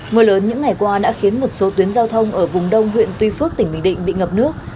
mưa lớn những ngày qua đã khiến một số tuyến giao thông ở vùng đông huyện tuy phước tỉnh bình định bị ngập nước